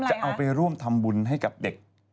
จะเอาไปร่วมทำบุญให้กับเด็ก